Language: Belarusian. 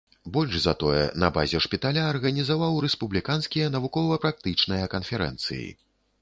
Больш за тое, на базе шпіталя арганізаваў рэспубліканскія навукова-практычныя канферэнцыі.